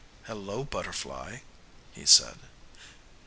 "Hello, butterfly," he said.